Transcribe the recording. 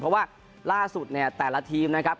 เพราะว่าล่าสุดเนี่ยแต่ละทีมนะครับ